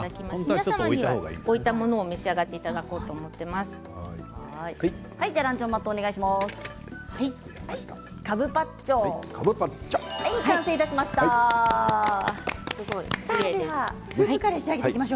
皆様には置いたものを召し上がっていただこうと思っています。